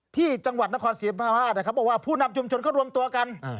ที่จังหวัดนครศรีธรรมราชนะครับบอกว่าผู้นำชุมชนเขารวมตัวกัน